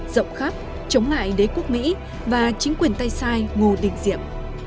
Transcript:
rộng khắp chống lại đế quốc mỹ và chính quyền tay sai ngô đình diệm